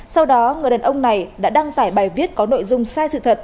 sau đó người đàn ông này đã đăng tải bài viết có nội dung sai sự thật